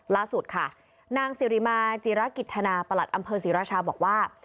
ล่าสุดค่ะนางสิริมาจิรกิจธนาประหลัดอำเภอศรีราชาบอกว่า